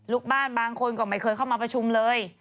ลูกบ้านบางคนก็ไม่เคยเข้ามาประชุมเลย